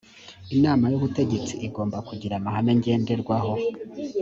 inama y’ubutegetsi igomba kugira amahame ngenderwaho